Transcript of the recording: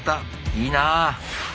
いいなあ。